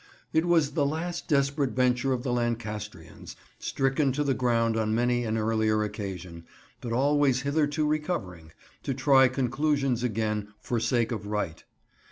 It was the last desperate venture of the Lancastrians, stricken to the ground on many an earlier occasion, but always hitherto recovering, to try conclusions again, for sake of right.